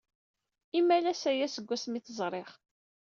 Imalas aya seg wasmi ay t-ẓriɣ.